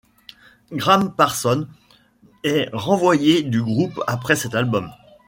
Gram Parsons est renvoyé du groupe après cet album.